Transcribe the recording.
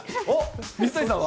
水谷さんは？